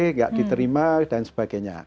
tidak diterima dan sebagainya